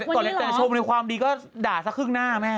ก่อนจะชมในความดีก็ด่าสักครึ่งหน้าแม่